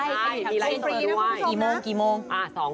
ใช่มีไลฟ์สดที่ส่วยดูว่าอีโมงกี่โมง